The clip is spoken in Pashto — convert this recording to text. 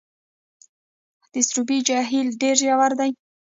د سروبي جهیل ډیر ژور دی